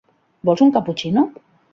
Vols un caputxino?